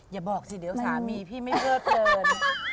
อย่าบอกสิเดี๋ยวสามีพี่ไม่เลิศเกิน